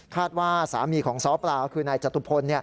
ว่าสามีของซ้อปลาคือนายจตุพล